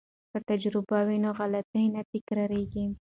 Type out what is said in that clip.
که تجربه وي نو غلطي نه تکراریږي.